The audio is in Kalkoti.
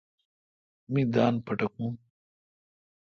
می دان پٹھکون۔